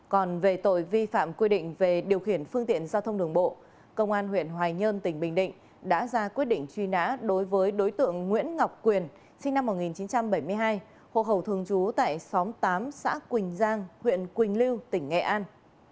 còn về tội vi phạm quy định về điều khiển phương tiện giao thông đường bộ công an huyện hoài nhơn tỉnh bình định đã ra quyết định truy nã đối với đối tượng nguyễn ngọc quyền sinh năm một nghìn chín trăm bảy mươi hai hộ khẩu thường trú tại xóm tám xã quỳnh giang huyện quỳnh lưu tỉnh nghệ an